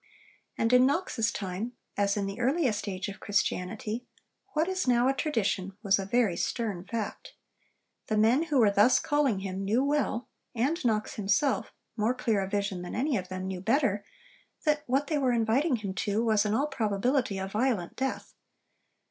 And in Knox's time, as in the earliest age of Christianity, what is now a tradition was a very stern fact. The men who were thus calling him knew well, and Knox himself, more clear of vision than any of them, knew better, that what they were inviting him to was in all probability a violent death.